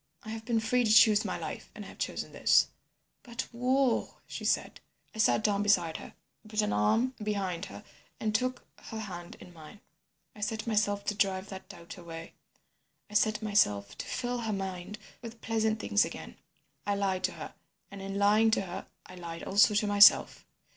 I have been free to choose my life, and I have chosen this.' "'But war—,' she said. "I sat down beside her. I put an arm behind her and took her hand in mine. I set myself to drive that doubt away—I set myself to fill her mind with pleasant things again. I lied to her, and in lying to her I lied also to myself.